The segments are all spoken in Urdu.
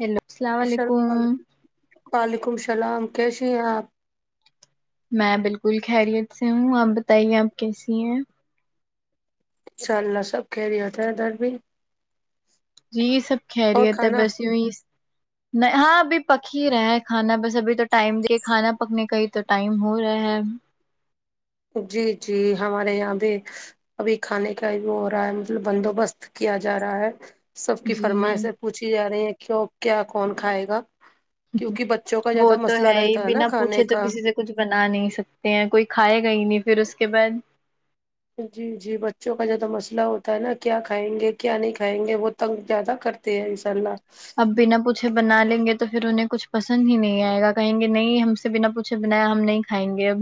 ہیلو السلام علیکم السلامل وعلیکم السلام کیسیے ہیں آپ میں بالکل خیریت سے ہوں آپ بتائیے آپ کیسی ہیں انشاء اللہ سب کہہ رہیے ہوتے ہیں ادھر بھی جی یہ سب اور خہریت ہے کھانا بس یوںی ہاں ابھی پک ہی رہے ہے کھانا بس ابھی تو ٹائم د کھانا پکنے کا ہی تو ٹائم ہو رہا ہے جی جی ہمارے یہاں بھیہ ابھی کھانے کا وہ ہو رہا ہے مطلب بندوبست کیا جا رہا ہے سب کی جی فرمائش سے پوچھی جا رہی ہیں کی کیا کون کھائے گا کیونکہ بچوں کا وہ زیادہ تو مسئلہ ہی رہتا ہے نا بنا کھانے پوچھے تو کا کسی سے کچھ بنا نہیں سکتے ہیں کوئی کھائے گا ہی نہیں پھر اس کے بعد جی جی بچوں کا جو تو مسئلہ ہوتا ہے نا کیا کھائیں گے کیا نہیں کھائیں گے وہ تنگ زیادہ کرتے ہیں انشاء اللہ اب بنا پوچھے بنا لیں گے تو پھر انہیں کچھ پسند ہی نہیں آئے گا کہیں گے نہیں ہم سے بنا پوچھے بنایا ہم نہیں ہیں گے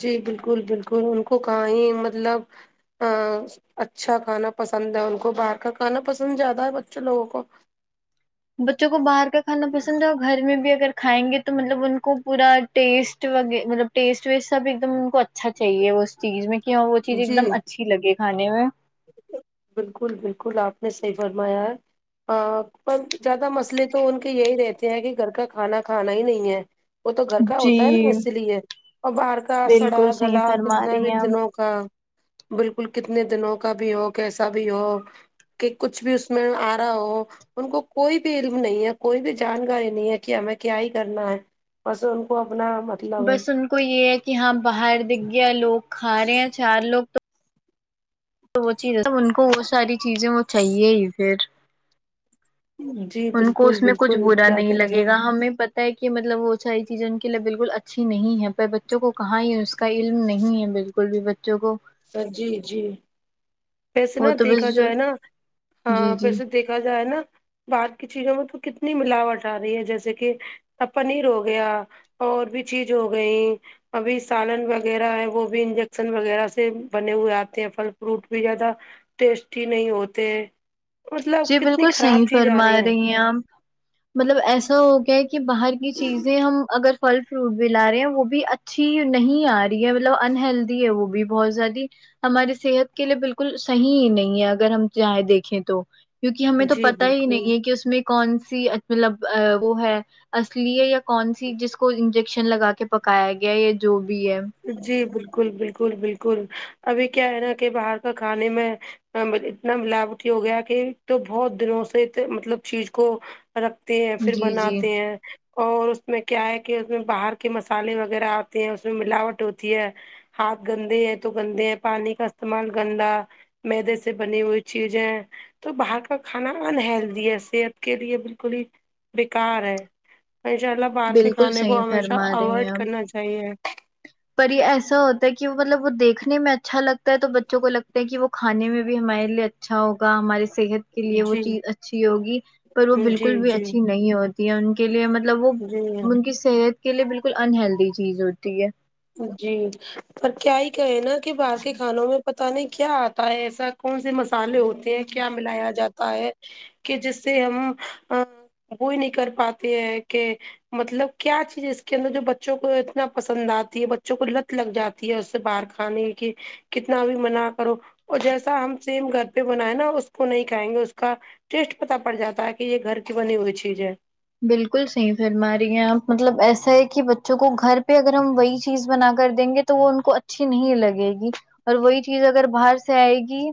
جی بالکل بالکل ان کو کہ ہی مطلب اچھا کھانا پسند ہے ان کو باہر کا کھانا پسند زیادہ ہے بچے لوگوں کو بچوں کو باہر کا کانا پسند ہے گھر میں بھی اگر کھائیں گے تو مطلب ان کو پورا ٹیسٹ و مطلب ٹیسٹ ویسٹ سا بھی ایک دم ان کو اچا اچھا چاہیے اس چیز میں کہ ہاں وہ چیز ایک جی دم اچھی لگے کھے میں بالکل بالکل آپ نے صحیح فرمایا ہے ہاں پر زیادہ مسئلے تو ان کے یہی رہتے ہیں کہ گھر کا کھانا کھانا ہی نہیں ہے وہ تو گھر کا جی ہوتا ہے نا اسی لیے اور باہر کا سڑا بالکل صحیح گلا فرما کتنے بھی رہی ہیں آپ دنوں بالکل کتنے دنوں کا بھی ہو کیسا بھی ہو کہ کچھ بھی اس میں آ رہا ہو ان کو کوئی بھی علم نہیں ہے کوئی بھی جانکاری نہیں ہے کہ ہمیں کیا ہی کرنا ہے بس ان کو اپنا مطلب ہے بس ان کو یہ ہے کہ ہاں باہر دکھ گیا لوگ کھا رہے ہیں چار لوگ تو تو وہ چیزب ان کو وہ ساری چیزیں وہ چاہیے ہی پھر ہوں ان کو اس میں کچھ برا نہیں لگے گا ہیں ہمیں کہ مطلب وہ ساری چیزیں ان کے لیے بالکل اچھی نہیں ہے پر بچوں کو کہاں ہی کا علم نہیں ہے بالکل بھی بچوں کو سر جی جی پیسے نا وہ تو دیکھا بس جو جائے نا جی ہاں جی پیسے دیکھا جائے نا باہر کی چیزوں میں تو کتنی ملاوٹ آ رہی ہے جیسے کہ ا پنیر ہو گیا اور بھی چیز ہو گئی ابھی سالن وغیرہ ہے وہ بھی انجیکشن وغیرہ سے بنے ہوئے آتے ہیں پھل فروٹ زیادہ ٹیسٹی نہیں ہوتے مطلب جی کتنی بالکل صحی خراب چیز آ فرما رہی ہے ہیں آپ مطلب ایسا ہو گیا کہ باہر کی چیزیں ہم اگر پھل فروٹ بھی لا رہے ہیں وہ بھی اچھی نہیں آ رہی ہے مطلب انہلدی ہے وہ بھی بہت زیادہ ہماری صحت کے لیے بالکل صحیح نہیں ہے اگر ہم جاہیں دیکھیں تو کیونکہ ہمیں تو جی پتا ہی بالکل نہیں ہے کہ اس میں کون سی مطلب وہ ہے اصلی ہے یا کون سی جس کو انجیکشن لگا کے پکایا گیا ہے یا جو بھی ہے جی بالکل بالکل بالکل ابھی کیا ہے نا کہ باہر کا کھانے میں اتنا ملاوٹ ہو گیا کہ تو بہت دنوں سے مطلب چیز کو رکھتے ہیں پھر جی جی بناتے ہیں اور اس میں کیا ہے کہ اس میں باہر کے مسالے وغیرہ آتے ہیں اس میں ملاوٹ ہوتی ہے ہاتھ گندے ہے تو گندے ہیں پانی کا استعمال گندا مدے سے بنی ہوئی چیزیں تو باہر کا کھانا انہلدی ہے صحت کے لیے بالکل ہی بیکار ہے انشاء اللہ باہر کے بالکل کھانے صحیح کو ہمیشہ فرما رہی اوائڈ ہیں آپ کرنا چاہیے پر یہ ایسا ہوتا ہے کہ مطلب وہ دیکھنے میں اچھا لگتا ہے تو بچوں کو لگتا کہ وہ کانے میں بھی ہمے اچھا اچھا ہوگا ہماراری صحت کے لیے وہ جی چیز اچھی ہوگی پر وہ جی بالکل بھی جی اچھی نہیں ہو ان کے لیے مطلب وہ جی ان کی صحت کے لیے بالکل انہلدی چیز ہوتی ہے جی پر کیا ہی کہے نا کہ باہر کے کھانوں میں پت نہیں کیا آتا ہے ایسا کون سے مسالے ہوتے ہیں کیا ملایا جاتا ہے کہ جس سے ہم وہی نہیں کر پاتی ہے کہ مطلب کیا چیز اس کے اندر جو بچوں کو اتنا پسند آتا بچوں کو لت لگ جاتی ہے اس سے باہر کھانے کی کتنا بھی منا کرو اور جیسا ہم سیم گھر پہ بناائے نا اس کو نہیں کھائیں گے اس کا ٹیسٹ پتا پڑ جاتا ہے کہ یہ گھر کی بنی ہوئی چیز ہے بالکل صحیح فھر ہماری یہاں مطلب ایسا ہے کہ بچوں کو گھر پہ اگر ہم وہی چیز بنا کر دیں گے تو تو وہ ان کو اچھی نہیں لگے گی اور وہی چیز اگر باہر سے آئے گی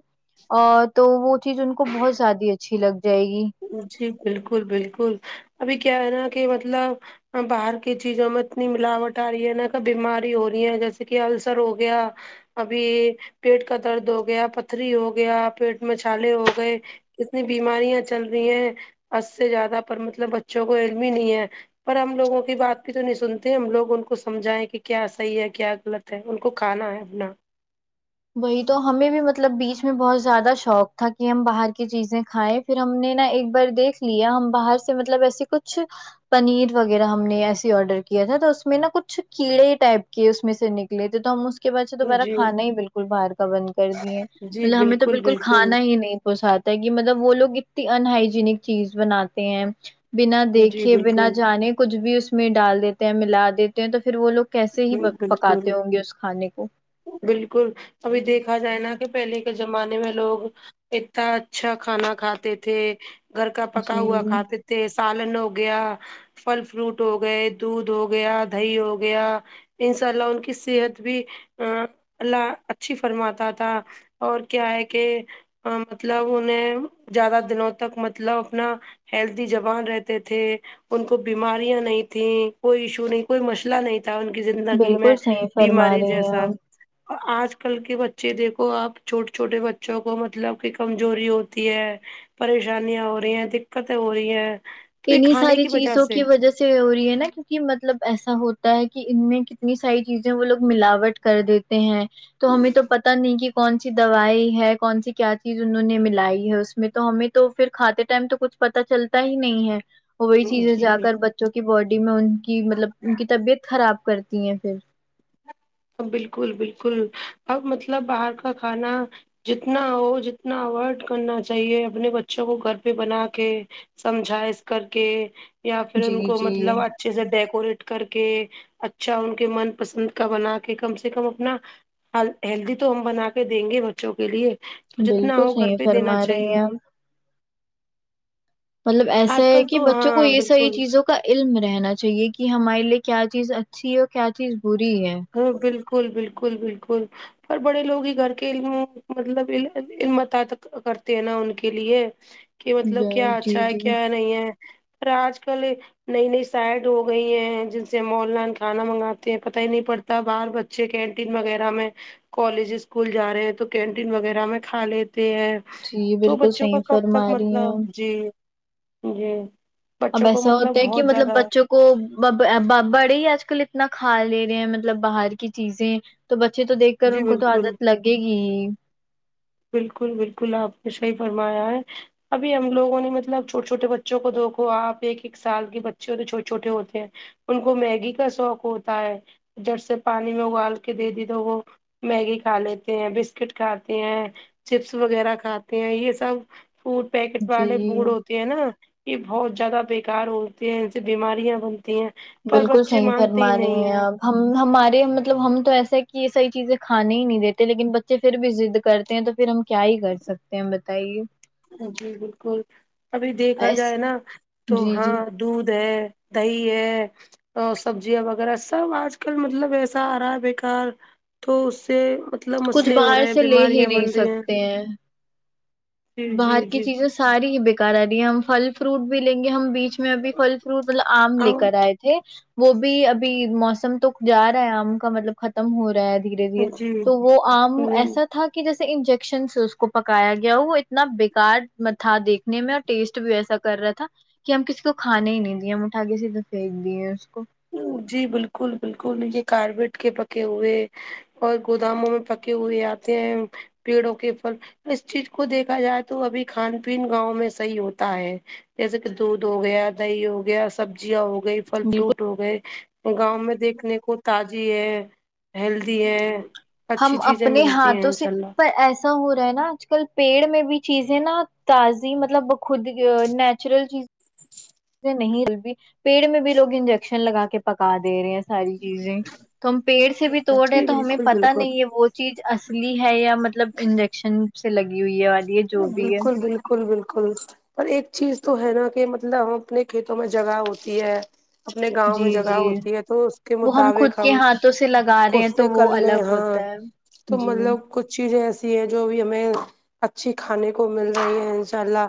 ا تو وہ چیز ان کو بہت زیادہ اچھی لگ جائے گی جی بالکل بالکل ابھی کیا ہے نا کہ مطلب باہر کی چیزوں میں اتنی ملاوٹ آ رہی ہے نا کہ بیماری ہو رہی ہے جیسے کہ السر ہو گیا ابھی پیٹ کا درد ہو گیا پتھری ہو گیا پیٹ میں چھالے ہو گئے اتنی بیماریاں چل رہی ہیں اس سے زیادہ پر مطلب بچوں کو عمی ہی نہیں ہے پر ہم لوگوں کی بات بھی تو نہیں سنتے ہم لوگ ان کو سمجھائائے کہ کیا صحیح ہے کیا غلط ان کو کھانا ہے اپنا وہی تو ہمیں بھی مطلب بیچ میں بہت زیادہ شوق تھا کہ ہم باہر کی چیزیں کھائیں پھر ہم نے نا ایک بار دیکھ لیا ہم باہر سے مطلب ایسے کچھ پنیر وغیرہ ہم نے ایسے آڈر کیا تھا تو اس میں نا کچھ کیڑے ٹائپ کہ اس میں سے نکلے تھے تو ہم اس کے بعد سے دوبارہ جی کانا ہی بالکل باہر کا بند کر دیے مطلب ہمیں تو بالکل کھا ہی نہیں پساتا کہ مطلب وہ لوگ اتنی انہائجینک چیز بناتے ہیں بنا جی دیکھے بنا بالکل جانے کچھ بھی اس میں ڈال دیتے ہیں ملا دیتے ہیں تو پھر وہ لوگ کیسے ہی ہوں بالکل پکاتے ہوں گے اس کھانے کو بالکل ابھی دیکھا جائے نا کہ پہلے کے زمانے میں لوگ اتنا اچھا کھانا کھاتے تھے گھر کا پکا ہوا جی کھاتے تھ ت سالن ہو گیا فل فروٹ ہو گئے دودھ ہو گیا دہ ہو گیا ان شاء اللہ ان کی صحت بھی اللہ اچھی فرماتا تھا اور کیا ہے کہ مطلب انیں زیادہ دنوں تک مطلب اپنا ہیلدی جوبان رہتے تھے ان کو بیماریاں نہیں تھیں کوئی ایشو نہیں کوئی مسئلہ نہیں تھا ان کی زندگی میں بالکل صحیح فرما بیماری رہی ہیں جیسا آپ آج کل کے بچے دیکھو آپ چھوٹے چھوٹے بچوں کو مطلب کہ کمزوری ہوتی ہے پریشانیاں ہو رہی ہیں دقت ہو رہی ہے انیں ساری چیزوں کی وجہ سے ہو رہی ہے نا کیونکہ مطلب ایسا ہوتا ہے کہ ان میں کتنی ساری چیزیں وہ لوگ ملاوٹ کر دیتے ہیں تو ہمیں تو پت نہیں کہ کون سی دوائی ہے کون سی کیا چیز انہوں نے ملائی ہے اس میں تو ہمیں تو پھر کھاتے ٹائم تو کچھ پتا چلتا ہی نہیں ہے وہی چیزیں جی جا کر بالکل بچوں کے کی باڈی میں ان کی مطلب ان کی طبیعت خراب کرتی ہیں پھر بالکل بالکل اب مطلب باہر کا کھانا جتنا ہو جتنا اوائڈ کرنا چاہیے اپنے بچوں کو گھر پہ بنا کے سمجھا اس کر کے یا پھر ان جی کو جی مطلب اچھے سے ڈیکوریٹ کر کے اچھا ان کے من پسند بنا کے کم سے کم اپنا ہیلدی تو ہم بنا کے دیں گے بچوں کے لیے تو جتنا بالکل ہو گھر صحیح پہ فرما دینا رہی چاہیے ہیں ہم مطلب ایسا آج ہے کل کہ تو بچوں کو ہاں یہ ساری بالکل چیزوں کا علم رہنا چاہیے کہ ہمارے لیے کیا چیز اچھی ہے اور کیا چیز بری ہے ہاں بالکل بالکل بالکل اور بڑے لوگ ہی گھر کے علم مطلب علمت کرتے ہیں نا ان کے لیے کہ مطلب جی کیا جی اچھا ہے جی کیا نہیں ہے پر آج کل نئی نئی سائڈ ہو گئی ہیں جن سے ہم آن لائن کھانا منگاتے ہیں پتہ ہی نہیں پڑتا باہر بچے کینٹین وغیرہ میں کالج اسکول جا رہے ہیں تو کینٹین وغیرہ میں کھا لیتے ہیں جی تو بالکل بچوں کا صحیح کب فرما تک رہی ہیں مطلب آپ۔ جی جی اب بچوں کو ایسا مطلب ہوتا ہے کہ بہت مطلب زیادہ بچوں کو ب باباڑے ہی آج کل اتنا کھا لے رہے ہیں مطلب باہر کی چیزیں تو بچے تو دیکھ کر جی ان کو تو بالکل عادت لگے گی بالکل بالکل آپ نے صحی فرمایا ہے ابھی ہم لوگوں نے مطلب چھوٹے چھوٹے بچوں کو دیکھو آپ ایک ایک سال کے بچے ہوتے چھوٹے چھوٹے ہوتے ہیں ان کو میگی کا شوق ہوتا ہے جب سے پانی میں اگال کے دے دی تو وہ میگی کھا لیتے ہیں بسکٹ کھاتے ہیں چپس وغیرہ کھاتے ہیں یہ سب فوڈ پیکٹ جی والے فوڈ ہو ہے نا یہ بہت زیادہ بےکار ہوتے ہیں ان سے بیماریاں ب ہیں پر بالکل بچے صحیح مانتے ہی فرما نہیں رہی ہیں آپ ہم ہمارے مطلب ہم تو ایسا ہے کہ یہ سحی چیزیں کھانے ہی نہیں دیتے لیکن بچے پھر بھی ضد کرتے تو پھر ہم کیا ہی کر سکتے ہیں بتائیے جی بالکل ابھی دیکھا ایس جائے نا تو جی جی ہاں دودھ ہے دہی ہے اور سبزیاں وغیرہ سب آج کل مطلب ایسا آ رہا ہے بےیکار تو اس سے مطلب کچھ مسئلے ہو باہر رہے ہیں سے لے ہی بیماریاں بن نہیں رہی ہیں [inaudible] جی باہر جی کی جی چیزیں ساری ہی بےیکار آ رہی ہے ہم پھل فروٹ بھی لیں گے ہم بیچ اسچ میں اب فھل فروٹ مطلب آم لے کر اور آئے تھے وہ بھی ابھی موسم تو جا رہا ہے آم کا مطلب ختم ہو رہا ہے دھیرے دھیرے تو جی وہ آم ایسا تھا کہ جیسے انجیکشنس اس کو پکایا گیا وہ اتنا بیکار تھا دیکھنے میں اور ٹیسٹ بھی ایسا کر رہا تھا کہ ہم کسی کو کھانے ہی نہیں دیے ہم اٹھاے سیدھے پھینک دیے اس کو جی بالکل بالکل مجھے کاربیٹ کے پکے ہوئے اور گوداموں میں پکے ہوئے آتے ہیں پیڑوں کے پھل اس چیز کو دیکھا جائے تو ابھی کھان پین گاؤں میں صحیح ہوتا ہے جیسے کہ دودھ ہو گیا دی ہو گیا سبزیا ہو گئی فل بالکل فروٹ ہو گئے گاؤں میں دیکھنے کو تازی ہے ہیلدی ہے ہم اچھی چیزیں اپنے ملتی ہیں ہاتھوں سے انشاء پر اللہ ایسے ایسا ہو رہا ہے نا آج کل پیڑ میں بھی چیزیں نا تازی مطلب خود نیچرل چیز نہیں بھی پیڑ میں بھی لوگ انجیکشن لگا کے پکا دے رہے ہیں ساری چیزیں تو ہم پیڑ سے بھی توڑ رہے جی تو ہمیں بالکل پت بالکل نہیں ہے وہ چیز اصلی ہے یا مطلب انجیکشن سے لگی ہوئی ہے والی ہے جو بھی ہے بالکل بالکل بکل بالکل پر ایک چیز تو ہے نا کہ مطلب ہم اپنے کھیتوں میں جگہ ہوتی ہے اپنے گاؤں جی میں جگہ جی ہوتی ہے تو اس کے وہ خود مطابق ہم کے ہاتھوں سے لگا رہے ہیں کتے تو کر وہ لیں الگ ہاں ہوتا ہے تو جی مطلب کچھ چیزیں ایسی ہیں جو بھی ہمیں اچھی کھانے کو مل رہی ہے ان شاء اللہ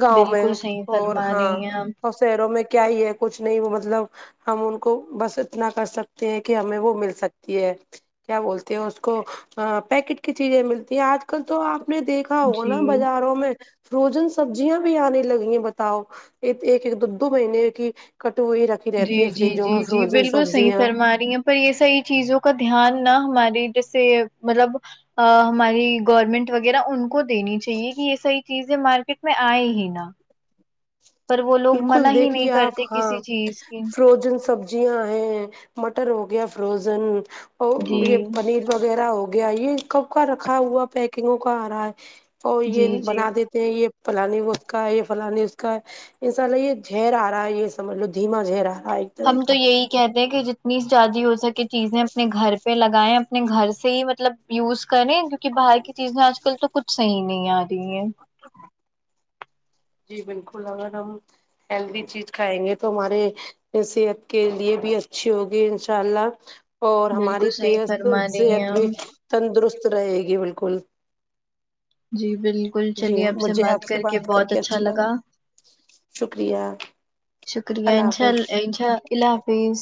گاؤں میں بالکل صحیح اور فرما ہاں رہی ہیں آپ اور شہروں میں کیا ہی ہے کچھ نہیں وہ مطلب ہم ان کو بس اتنا کر سکتے ہیں کہ ہمیں وہ مل سکتی ہے کیا بولتے ہیں اس کو پیکٹ کی چیزیں ملتی ہیں آج کل تو آپ نے دیکھا ہوگا نا جی بازاروں میں فروزن سبزیاں بھی آنے لگی ہیں بتاؤ ایک ایک دو دو مہینے کی کٹوئی رکھ جی جی جی جی بالکل صحیح فرما رہی ہیں پر یہ ساری چیزوں کا دھیان نہ ہماری جیسے مطلب ہماری گورنمنٹ وغیرہ ان کو دینی چاہیے کہ یہ ساری چیزیں مارکیٹ میں آئے ہی نا پر وہ لوگ بالکل منع ہی دیکھیے نہیں آپ کرتے ہاں کسی چیز کی فروزن سبزی جی ہ ہیں مٹن ہو گیا فروزن اور یہ جی پنیر وغیرہ ہو گیا یہ کب کا رکھا ہوا پیکنگوں کا آ رہا ہے اور جی یہ جی بنا دیتے یہ فلانی وہ اس کا یہ فلانی اس کا ہے انساء اللہ یہ جھیہر آ رہا ہے یہ سجھ لو دھیما جھیہر آ رہا ہے طرح ہم تو کا یہی کہتے ہیں کہ جتنی زیادی ہو سکے چیزیں اپنے گھر پہ لگائیں اپنے گھر سے صحی مطلب یوز کریں کیوںکہ باہر کی چیزیں آج کل تو کچھ صحیح نہیں آ رہی ہیں جی بالکل اگر ہم ہیلدی چیز کھائیں گے تو ہمارے صحت کے لیے بھی اچھی ہوگی انشاء اللہ اور بالکل ہماری ت صحیح فرما رہی ہیں صحت بھی ہم تندرست رہے گی بالکل جی بالکل ال کل چلیے آپ سے بات کر کے بہت اچھا لگا شکریہ شکریہ انشاء اللہ ان شاء اللہ حافظ